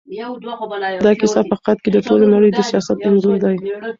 دا کيسه په حقیقت کې د ټولې نړۍ د سياست انځور دی.